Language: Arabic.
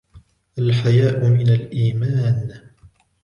الْحَيَاءُ مِنْ الْإِيمَانِ.